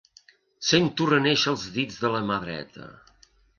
Sento renéixer els dits de la mà dreta.